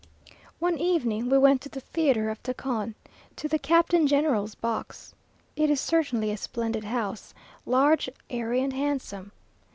One evening we went to the theatre of Tacon, to the Captain General's box. It is certainly a splendid house, large, airy, and handsome.